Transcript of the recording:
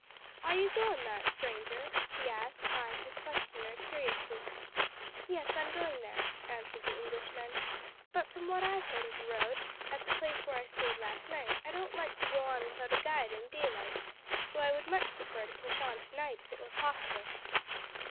"Are you goin' thar, stranger?" he asked, eyeing his questioner curiously. "Yes, I'm going there," answered the Englishman; "but from what I've heard of the road, at the place where I stayed last night, I don't like to go on without a guide and daylight though I would much prefer to push on to night if it were possible."